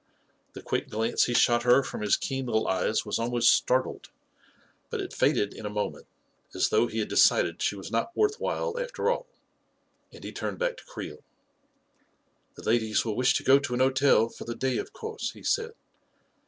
The quick glance he shot her from his keen little eyes was almost startled ; but it faded in a moment, as though he had decided she was not worth while, after all, and he turned back to Creel. 44 The ladies will wish to go to an hotel for the day, of course," he said.